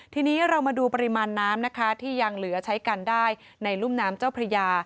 ทีนี้เรามาดูปริมาณน้ำนะคะที่ยังเหลือใช้กันได้ในรุ่มน้ำเจ้าพระยา